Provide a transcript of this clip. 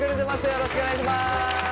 よろしくお願いします。